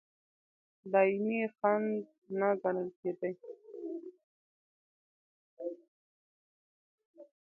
دایمي خنډ نه ګڼل کېدی.